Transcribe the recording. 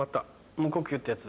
無呼吸ってやつ？